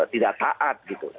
tidak taat gitu